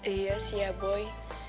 iya sih ya boy